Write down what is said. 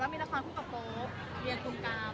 มันเป็นปัญหาจัดการอะไรครับ